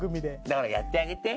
だからやってあげて。